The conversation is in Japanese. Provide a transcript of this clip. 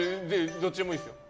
どっちでもいいですよ。